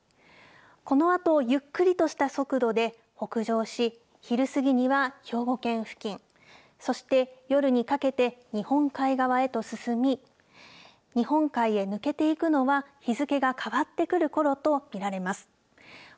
このあとゆっくりとした速度で北上し昼過ぎには兵庫県付近、そして夜にかけて日本海側へと進み日本海へ抜けていくのは日付がかわってくるころと見られます。